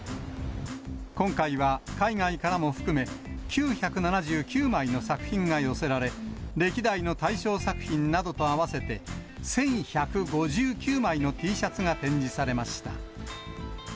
今回は海外からも含め、９７９枚の作品が寄せられ、歴代の大賞作品などと合わせて１１５９枚のＴシャツが展示されました。